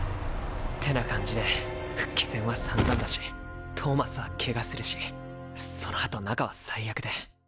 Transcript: てな感じで復帰戦はさんざんだしトーマスはケガするしそのあと仲は最悪で。